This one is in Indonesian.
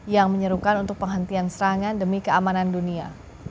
yang menyerukan untuk penghentian serangan demi keamanan dunia